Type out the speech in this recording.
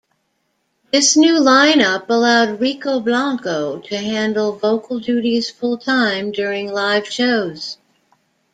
This new line-up allowed Rico Blanco to handle vocal duties full-time during live shows.